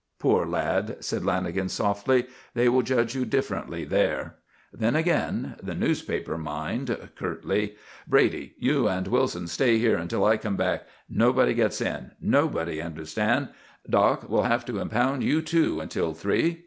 "Poor lad!" said Lanagan softly. "They will judge you differently there!" Then again the newspaper mind curtly: "Brady, you and Wilson stay here until I come back. Nobody gets in. Nobody, understand? Doc, we'll have to impound you, too, until three.